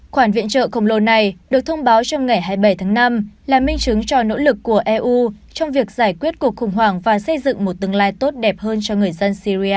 khoản viện trợ khổng lồ này được thông báo trong ngày hai mươi bảy tháng năm là minh chứng cho nỗ lực của eu trong việc giải quyết cuộc khủng hoảng và xây dựng một tương lai tốt đẹp hơn cho người dân syria